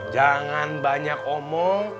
jangan banyak omong